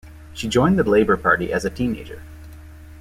She joined the Labour Party as a teenager.